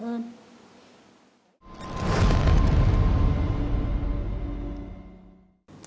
khi làm việc